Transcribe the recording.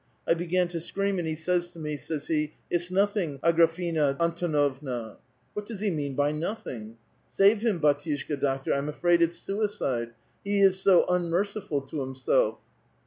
I be gan to scream, and he says to me, says he, ' It's nothing, Agraf y^na Antonovna.' What does he mean by nothing? Save him hdtiuslika^ doctor ; I*m afraid it's suicide : he is so un merciful to himself